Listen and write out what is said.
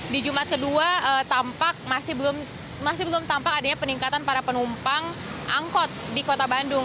di jumat kedua tampak masih belum tampak adanya peningkatan para penumpang angkot di kota bandung